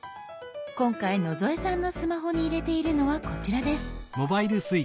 今回野添さんのスマホに入れているのはこちらです。